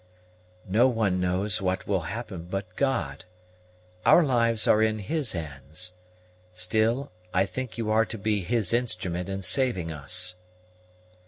"No one knows what will happen but God. Our lives are in His hands. Still, I think you are to be His instrument in saving us."